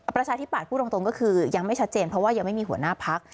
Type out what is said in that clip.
ประชาธิปัตย์พูดตรงก็คือยังไม่ชัดเจนเพราะว่ายังไม่มีหัวหน้าพัก